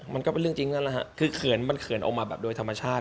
มันก็ไปเรื่องจริงนั่นแหละฮะมันเผื่อเขินเอามาโดยธรรมชาติ